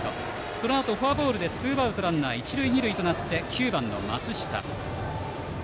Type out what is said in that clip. そのあと、フォアボールでツーアウトランナー、一塁二塁となって９番の松下。